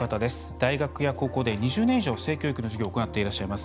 大学や高校で２０年以上性教育の授業を行っていらっしゃいます。